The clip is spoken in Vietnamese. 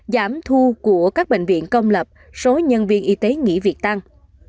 giảm thu của các bệnh viện công lập số nhân viên y tế nghỉ việc tăng